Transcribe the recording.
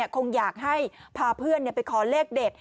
คงอยากให้พาเพื่อนไปขอเลขเด็ด